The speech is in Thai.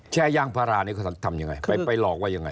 แชร์ยางพารานี่เขาทำยังไงไปหลอกว่ายังไง